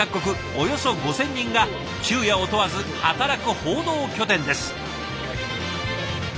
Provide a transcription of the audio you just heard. およそ５，０００人が昼夜を問わず働く報道拠点です。